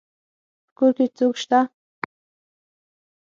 په کور کي څوک سته.